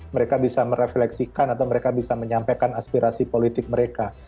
mereka bisa merefleksikan atau mereka bisa menyampaikan aspirasi politik mereka